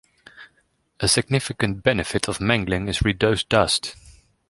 A significant benefit of mangling is reduced dust.